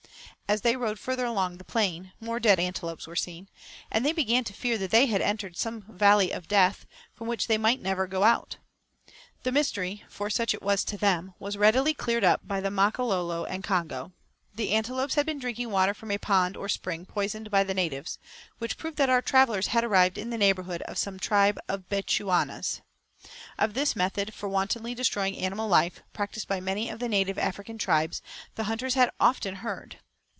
As they rode farther along the plain, more dead antelopes were seen, and they began to fear that they had entered some valley of death, from which they might never go out. The mystery for such it was to them was readily cleared up by the Makololo and Congo. The antelopes had been drinking water from a pond or spring poisoned by the natives; which proved that our travellers had arrived in the neighbourhood of some tribe of the Bechuanas. Of this method for wantonly destroying animal life, practised by many of the native African tribes, the hunters had often heard.